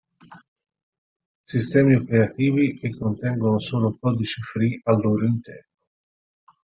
Sistemi operativi che contengono solo codice free al loro interno.